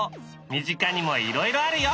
身近にもいろいろあるよ。